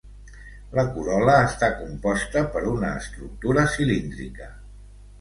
La corol·la està composta per una estructura cilíndrica.